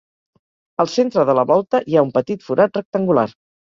Al centre de la volta hi ha un petit forat rectangular.